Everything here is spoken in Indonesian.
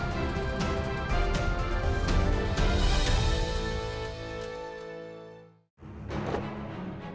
kami sering berdiskusi